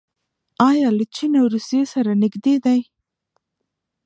آیا له چین او روسیې سره نږدې نه دي؟